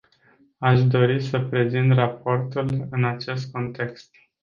Aș dori să prezint raportul în acest context.